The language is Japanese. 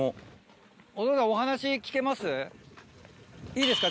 いいですか？